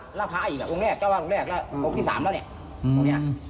พระแล้วพระอีกแหละองค์แรกจ้าวัดองค์แรกแล้วองค์ที่๓แล้วเนี่ย